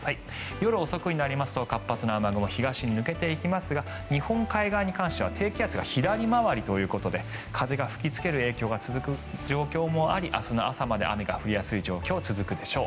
夜遅くになりますと活発な雨雲東に抜けていきますが日本海側に関しては低気圧が左回りということで風が吹きつける影響が続く状況もあり明日の朝まで雨が降りやすい状況が続くでしょう。